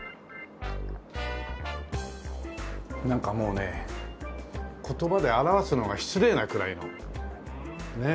なんかもうね言葉で表すのが失礼なくらいのねっ。